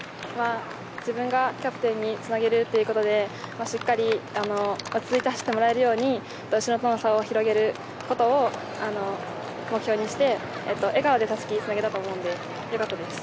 自分がキャプテンにつなげるということでしっかり落ち着いて走ってもらえるように後ろとの差を広げることを目標にして笑顔でたすきをつなげたと思うのでよかったです。